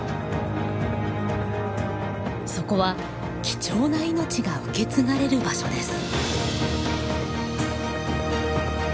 そこは貴重な命が受け継がれる場所です。